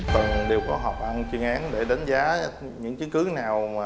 tầng đều có học ăn chuyên án để đánh giá những chứng cứ nào